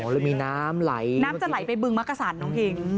แล้วมีน้ำไหลน้ำจะไหลไปบึงมักกะสันน้องคิง